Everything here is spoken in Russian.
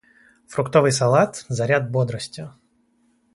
Фруктовый салат - заряд бодрости.